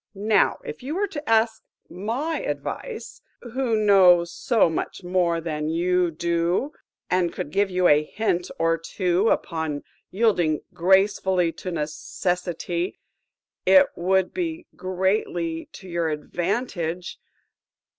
.... "Now if you were to ask my advice ..... who know so much more than you do ..... and could give you a hint or two ..... upon yielding gracefully to necessity ..... it would be greatly to your advantage.